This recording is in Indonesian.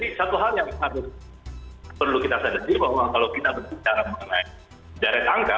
jadi satu hal yang harus perlu kita sadari bahwa kalau kita berbicara mengenai jarak angka